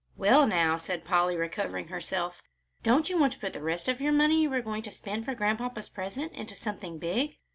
"Well, now," said Polly, recovering herself, "don't you want to put the rest of your money you were going to spend for Grandpapa's present into something big?